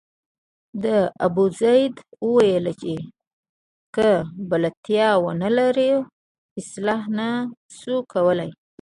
ابوزید وویل چې که بلدتیا ونه لرو اصلاح نه شو کولای.